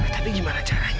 tapi gimana caranya